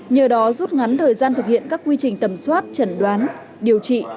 nhờ đó rút ngắn thời gian thực hiện các quy trình tẩm soát trần đoán điều trị